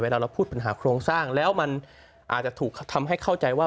เราพูดปัญหาโครงสร้างแล้วมันอาจจะถูกทำให้เข้าใจว่า